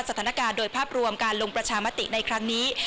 สถานการณ์โดยภาพรวมการลงประชามติในครั้งนี้